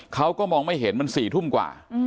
เขาก็มองไม่เห็นมัน๔ทุ่มกว่า